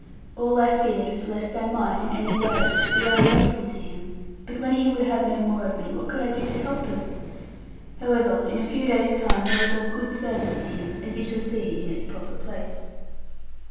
All I feared was lest I might, in any way, be ungrateful to him; but when he would have no more of me, what could I do to help it? However, in a few days' time I was of good service to him, as you shall see in its proper place.